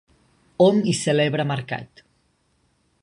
Hom hi celebrava mercat.